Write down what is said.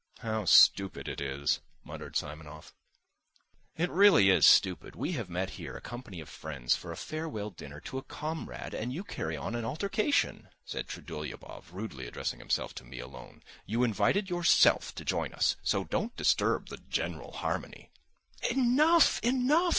"How stupid it is!" muttered Simonov. "It really is stupid. We have met here, a company of friends, for a farewell dinner to a comrade and you carry on an altercation," said Trudolyubov, rudely addressing himself to me alone. "You invited yourself to join us, so don't disturb the general harmony." "Enough, enough!"